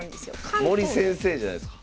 森先生じゃないすか？